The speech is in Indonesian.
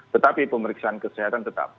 tetapi pemeriksaan kesehatan tetap